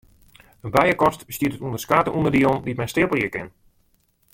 In bijekast bestiet út ûnderskate ûnderdielen dy't men steapelje kin.